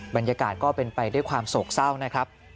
บรรยากาศก็เป็นไปด้วยความโศกเศร้านะครับ